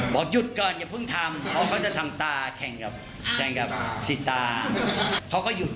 พอใส่วิกปุ๊บแต่งชุดเก่าปุ๊บ